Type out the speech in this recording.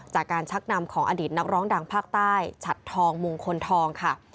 จากการชักนำของอดีตนักร้องดังภาคใต้ฉัดทองมงคลทองค่ะ